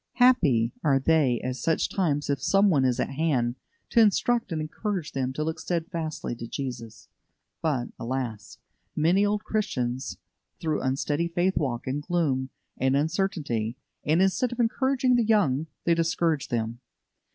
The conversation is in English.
Happy are they at such times if some one is at hand to instruct and encourage them to look steadfastly to Jesus. But, alas! many old Christians through unsteady faith walk in gloom and uncertainty, and, instead of encouraging the young, they discourage them.